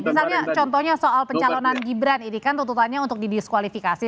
misalnya contohnya soal pencalonan gibran ini kan tuntutannya untuk didiskualifikasi